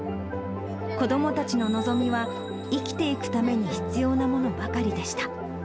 子どもたちの望みは、生きていくために必要なものばかりでした。